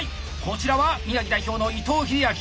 こちらは宮城代表の伊藤英昭。